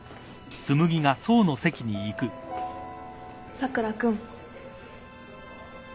佐倉君。